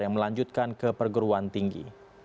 yang melanjutkan ke perguruan tinggi